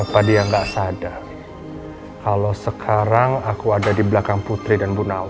pak alex sudah bertindak terlalu jauh